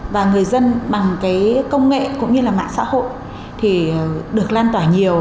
và người dân bằng cái công nghệ cũng như là mạng xã hội thì được lan tỏa nhiều